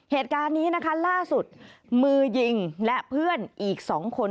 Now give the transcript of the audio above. เหตุการณ์นี้นะคะล่าสุดมือยิงและเพื่อนอีก๒คน